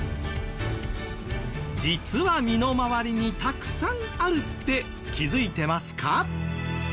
実は身の回りにたくさんあるって気付いてますか？